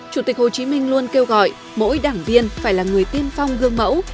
chủ tịch hồ chí minh luôn kêu gọi mỗi đảng viên phải là người tiên phong gương mẫu